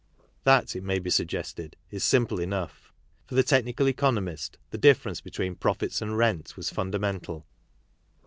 That, it may be sug gested, is simple enough. For the technical economist, the difference between profits and rent was fundamental.